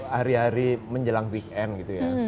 hari hari menjelang weekend gitu ya